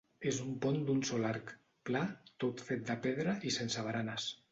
És un pont d'un sol arc, pla, tot fet de pedra i sense baranes.